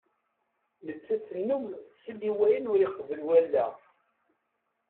Nettat tennum tessal i wayen ur iqebbel wallaɣ.